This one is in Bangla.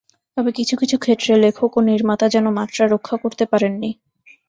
তবে কিছু কিছু ক্ষেত্রে লেখক ও নির্মাতা যেন মাত্রা রক্ষা করতে পারেননি।